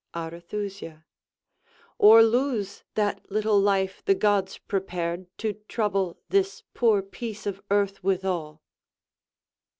Arethusa Or lose that little life the gods prepared To trouble this poor piece of earth withal.